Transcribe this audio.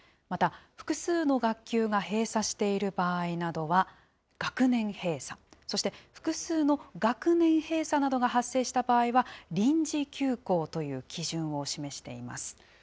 また複数の学級が閉鎖している場合などは学年閉鎖、そして複数の学年閉鎖などが発生した場合は、臨時休校という基準を示しています。